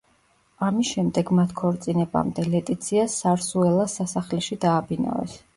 ამის შემდეგ მათ ქორწინებამდე ლეტიცია სარსუელას სასახლეში დააბინავეს.